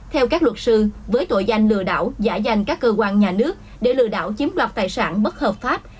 theo các luật sư với tội danh lừa đảo giả danh các cơ quan nhà nước để lừa đảo chiếm đoạt tài sản bất hợp pháp